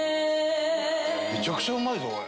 めちゃくちゃうまいぞ。